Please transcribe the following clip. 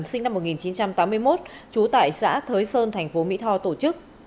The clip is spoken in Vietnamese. sinh năm một nghìn chín trăm tám mươi một trú tại xã thới sơn tp mỹ tho tổ chức